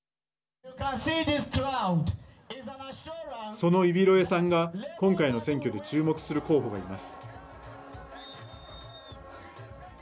そのイビロエさんが今回の選挙で注目する候補がいます。